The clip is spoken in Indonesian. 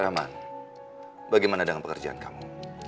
rahman bagaimana dengan pekerjaan kamu